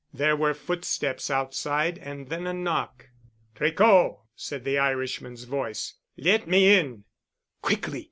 There were footsteps outside and then a knock. "Tricot!" said the Irishman's voice. "Let me in." "Quickly!"